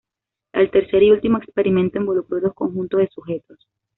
El tercer y último experimento involucró dos conjuntos de sujetos.